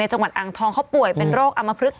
จังหวัดอ่างทองเขาป่วยเป็นโรคอำมพลึก